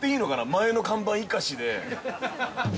前の看板生かしで。